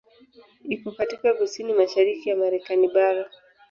Iko katika kusini-mashariki ya Marekani bara.